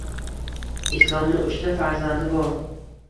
Islomni uchta farzandi bor